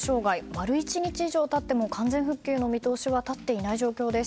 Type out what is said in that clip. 丸一日以上経っても完全復旧の見通しは立っていない状況です。